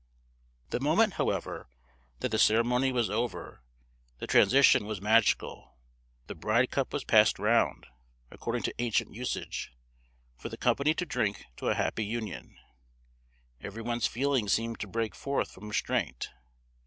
The moment, however, that the ceremony was over, the transition was magical. The bride cup was passed round, according to ancient usage, for the company to drink to a happy union; every one's feelings seemed to break forth from restraint.